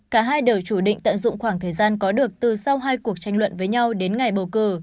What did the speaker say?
cả hai đều chủ định tận dụng khoảng thời gian có được từ sau hai cuộc tranh luận với nhau đến ngày bầu cử